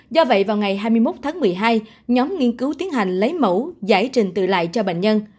do vậy vào ngày hai mươi một tháng một mươi hai nhóm nghiên cứu tiến hành lấy mẫu giải trình tự lại cho bệnh nhân